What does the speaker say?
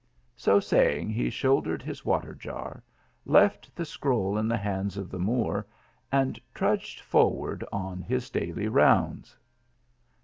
So saying he shouldered his water jar, left the scroll in the hands of the Moor, and trudged forward on his daily rounds.